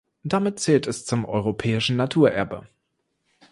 Damit zählt es zum europäischen Naturerbe.